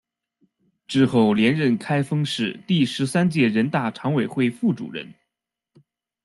之后连任开封市第十三届人大常委会副主任。